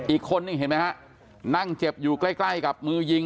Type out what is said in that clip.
อีกคนนึงเห็นไหมฮะนั่งเจ็บอยู่ใกล้ใกล้กับมือยิง